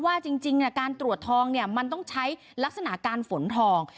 ว่าจริงการตรวจทองเนี่ยมันต้องใช้ลักษณะการฝนทอง